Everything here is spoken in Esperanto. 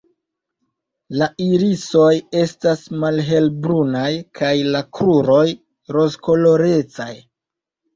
La irisoj estas malhelbrunaj kaj la kruroj rozkolorecaj.